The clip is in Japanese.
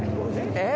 えっ？